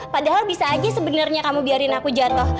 padahal bisa aja sebenarnya kamu biarin aku jatuh